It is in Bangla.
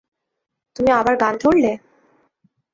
তুমি আবার গান ধরলে?